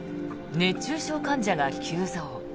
熱中症患者が急増。